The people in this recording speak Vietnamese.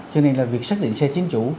cho nên là việc xác định xe chính chủ